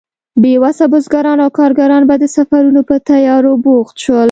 بې وسه بزګران او کارګران به د سفرونو په تيارو بوخت شول.